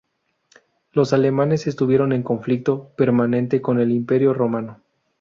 Los alamanes estuvieron en conflicto permanente con el Imperio romano.